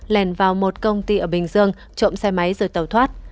lèn vào một công ty ở bình dương trộm xe máy rồi tàu thoát